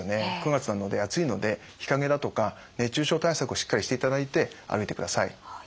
９月なので暑いので日陰だとか熱中症対策をしっかりしていただいて歩いてください。